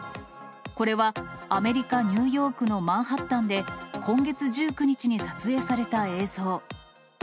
これは、アメリカ・ニューヨークのマンハッタンで今月１９日に撮影された映像。